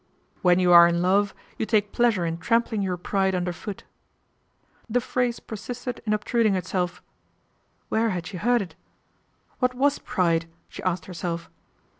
" When you are in love you take pleasure in trampling your pride underfoot/' The phrase persisted in obtruding itself. Where had she heard it ? What was pride ? she asked herself.